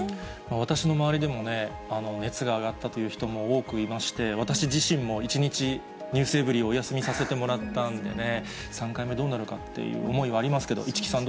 私の周りでも熱が上がったという人も多くいまして、私自身も１日、ｎｅｗｓｅｖｅｒｙ．をお休みさせてもらったんでね、３回目どうなるかっていう思いはありますけれども、市來さ